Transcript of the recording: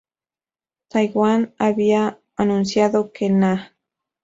Twain había anunciado que "Nah!